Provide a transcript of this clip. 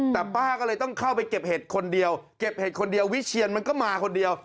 แต่ป้าก็เลยต้องเข้าไปเก็บเห็ดคนเดียวเก็บเห็ดคนเดียววิเชียนมันก็มาคนเดียว